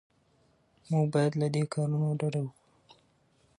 موږ باید له دې کارونو ډډه وکړو.